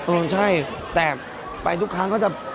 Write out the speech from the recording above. เออใช่แต่ไปทุกครั้งก็จะ